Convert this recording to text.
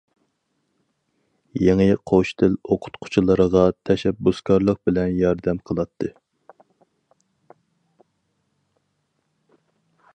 يېڭى قوش تىل ئوقۇتقۇچىلىرىغا تەشەببۇسكارلىق بىلەن ياردەم قىلاتتى.